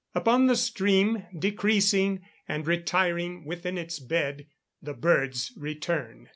Upon the stream decreasing, and retiring within its bed, the birds return.